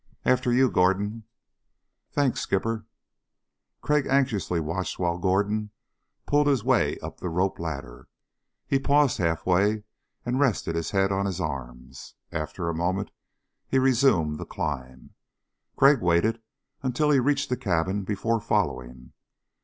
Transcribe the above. "After you, Gordon." "Thanks, Skipper." Crag anxiously watched while Gordon pulled his way up the rope ladder. He paused halfway and rested his head on his arms. After a moment he resumed the climb. Crag waited until he reached the cabin before following.